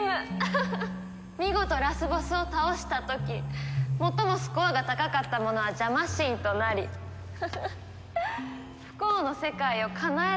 見事ラスボスを倒した時最もスコアが高かった者はジャマ神となり不幸の世界をかなえられる。